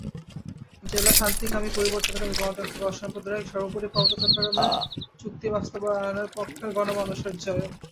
জেলার শান্তিকামী, পরিবর্তনকামী, গণতান্ত্রিক, অসামপ্রদায়িক—সর্বোপরি পার্বত্য চট্টগ্রাম চুক্তি বাস্তবায়নের পক্ষের গণমানুষের জয়।